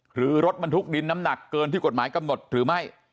หรือรถบรรทุกดินน้ำหนักเกินที่กฎหมายกำหนดหรือไม่